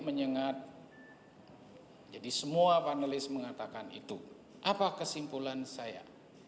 menyengat jadi semua panelis mengatakan itu apa kesimpulan saya